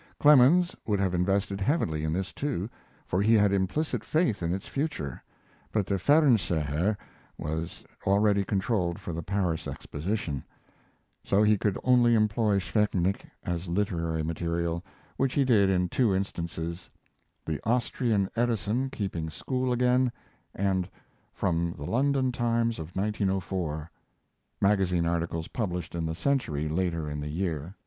Clemens would have invested heavily in this, too, for he had implicit faith in its future, but the 'Fernseher' was already controlled for the Paris Exposition; so he could only employ Szczepanik as literary material, which he did in two instances: "The Austrian Edison Keeping School Again" and "From the London Times of 1904" magazine articles published in the Century later in the year.